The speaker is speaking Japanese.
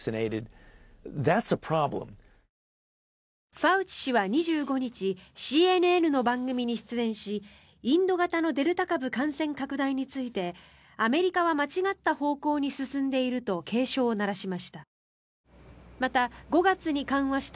ファウチ氏は２５日ＣＮＮの番組に出演しインド型のデルタ株感染拡大についてアメリカは間違った方向に進んでいると警鐘を鳴らしました。